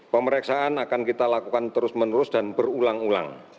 pemeriksaan akan kita lakukan terus menerus dan berulang ulang